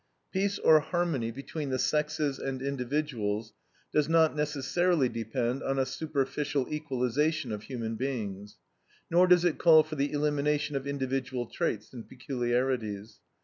Peace or harmony between the sexes and individuals does not necessarily depend on a superficial equalization of human beings; nor does it call for the elimination of individual traits and peculiarities.